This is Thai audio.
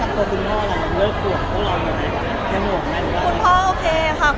แล้วตัวคุณพ่ออะไรมันเลิกกล่วงเขาหรือไม่กล่วง